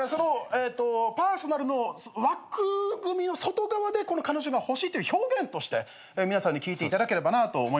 えっとパーソナルの枠組みの外側で彼女が欲しいという表現として皆さんに聞いていただければなと思います。